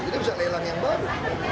jadi bisa lelang yang baru